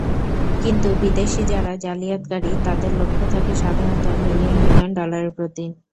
কিন্তু বিদেশি যারা জালিয়াতকারী, তাদের লক্ষ্য থাকে সাধারণত মিলিয়ন মিলিয়ন ডলারের প্রতি।